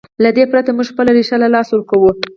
له دې پرته موږ خپله ریښه له لاسه ورکوو.